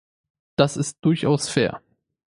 Das ist durchaus fair.